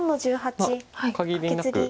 まあ限りなく。